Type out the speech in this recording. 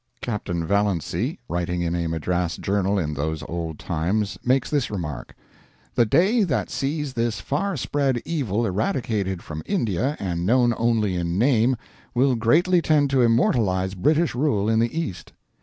Captain Vallancey, writing in a Madras journal in those old times, makes this remark: "The day that sees this far spread evil eradicated from India and known only in name, will greatly tend to immortalize British rule in the East."